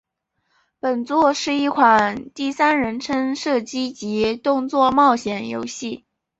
本作是一款第三人称射击及动作冒险游戏。